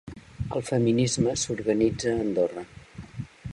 El feminisme s’organitza a Andorra.